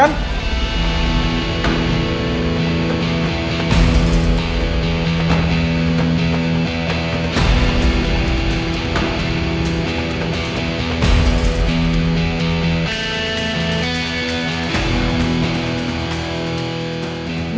minta ke rumah